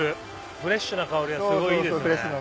フレッシュな香りがすごいいいですよね。